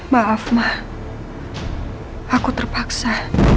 maaf ma aku terpaksa